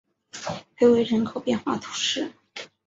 佩维人口变化图示